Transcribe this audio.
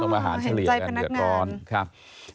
ต้องมาหาเฉลี่ยกันเดี๋ยวก่อนครับอ๋อเห็นใจพนักงาน